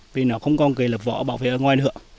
vì nó không còn cây lập vỏ bảo vệ ở ngoài nữa